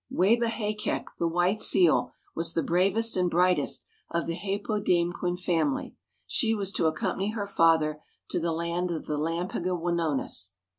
Wābè hākeq', the White Seal, was the bravest and brightest of the Hāpōdāmquen family; she was to accompany her father to the land of the Lampegwinosis.